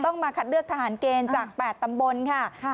มาคัดเลือกทหารเกณฑ์จาก๘ตำบลค่ะ